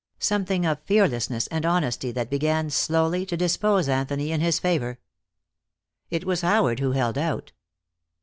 Something of fearlessness and honesty that began, slowly, to dispose Anthony in his favor. It was Howard who held out.